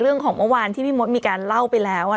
เมื่อวานที่พี่มดมีการเล่าไปแล้ว